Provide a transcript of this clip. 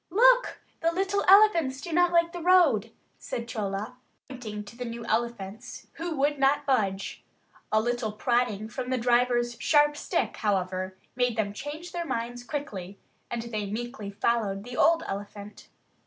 "Look, the little elephants do not like the road," said Chola, pointing to the new elephants, who would not budge. A little prodding from the driver's sharp stick, however, made them change their minds quickly; and they meekly followed the old elephant.